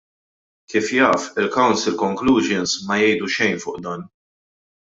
Kif jaf, il-Council conclusions ma jgħidu xejn fuq dan.